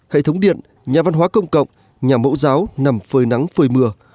hệ thống điện nhà văn hóa công cộng nhà mẫu giáo nằm phơi nắng phơi mưa